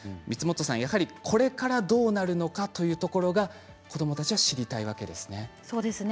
やはり、これからどうなるのかというところ子どもたちが知りたいわけですね。